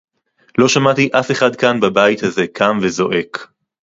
לא שמעתי אף אחד כאן בבית הזה קם וזועק